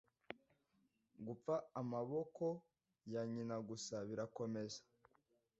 Gupfa amaboko ya nyina gusa birakomeza